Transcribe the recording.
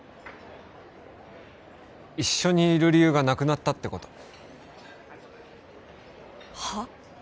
一緒にいる理由がなくなったってことはっ？